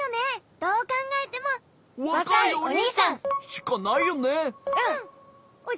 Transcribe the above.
しかないよね。